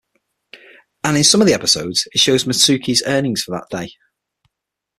And, in some of the episodes it shows Mitsuki's earnings for that day.